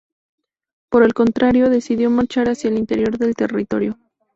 Por el contrario, decidió marchar hacia el interior del territorio.